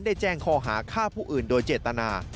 แจ้งคอหาฆ่าผู้อื่นโดยเจตนา